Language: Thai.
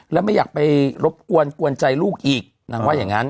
แล้วไม่อยากไปรบกวนกวนใจลูกอีกนางว่าอย่างนั้น